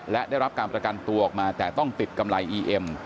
และได้รับการประกันตัวออกมาแต่ต้องติดกำไรอีเอ็ม